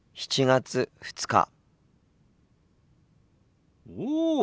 ７月２日。